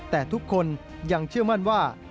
แต่ทุกคนยังเชื่อมั่นว่า